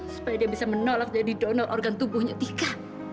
supaya dia bisa menolak jadi donor organ tubuhnya tika